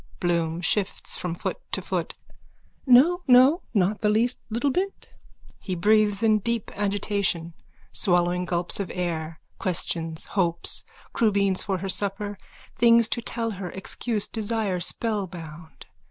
BLOOM: (Shifts from foot to foot.) No, no. Not the least little bit. _(He breathes in deep agitation, swallowing gulps of air, questions, hopes, crubeens for her supper, things to tell her, excuse, desire, spellbound.